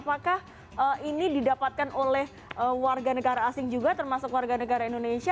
apakah ini didapatkan oleh warga negara asing juga termasuk warga negara indonesia